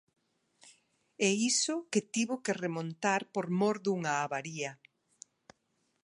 E iso que tivo que remontar por mor dunha avaría.